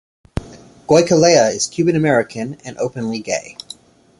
Goicolea is Cuban-American and openly gay.